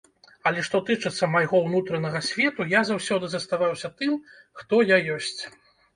Але што тычыцца майго ўнутранага свету, я заўсёды заставаўся тым, хто я ёсць.